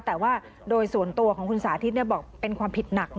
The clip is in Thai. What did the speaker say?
แต่ว่าโดยส่วนตัวของคุณสาธิตบอกเป็นความผิดหนัก